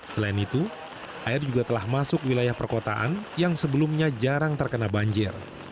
selain itu air juga telah masuk wilayah perkotaan yang sebelumnya jarang terkena banjir